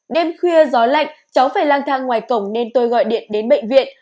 đêm khuya gió lạnh cháu phải lang thang ngoài cổng nên tôi gọi điện đến bệnh viện